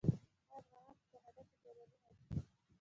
آیا افغانان په کاناډا کې بریالي نه دي؟